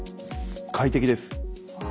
快適です。